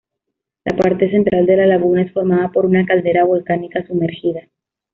La parte central de la laguna es formada por una caldera volcánica sumergida.